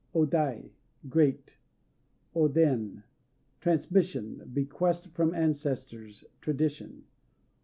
O Dai "Great." O Den "Transmission," bequest from ancestors, tradition.